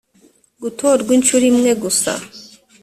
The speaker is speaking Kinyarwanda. gutorwa inshuro imwe gusa